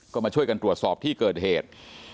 ก็มาช่วยกันตรวจสอบที่เกิดเหตุ